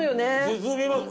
進みます。